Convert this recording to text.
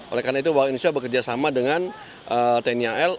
oleh karena itu bank indonesia bekerjasama dengan tni al